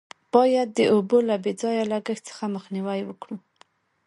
باید د اوبو له بې ځایه لگښت څخه مخنیوی وکړو.